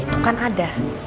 itu kan ada